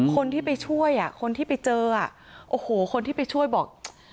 คนที่ไปช่วยคนที่ไปเจอคนที่ไปช่วยบอก